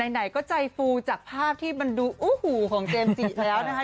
ไหนก็ใจฟูจากภาพที่มันดูโอ้โหของเจมส์จิแล้วนะคะ